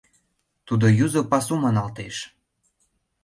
Тудо Юзо Пасу маналтеш...